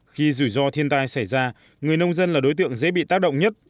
khi rủi ro thiên tai xảy ra người nông dân là đối tượng dễ bị tác động nhất